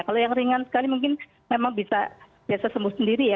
kalau yang ringan sekali mungkin memang bisa biasa sembuh sendiri ya